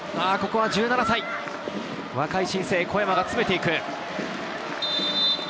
１７歳、若い新星・小山が詰めていく。